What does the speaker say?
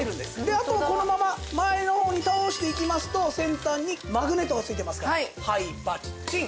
あとはこのまま前の方に倒していきますと先端にマグネットが付いてますからはいパッチン。